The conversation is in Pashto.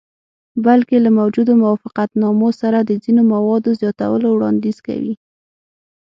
بلکې له موجودو موافقتنامو سره د ځینو موادو زیاتولو وړاندیز کوي.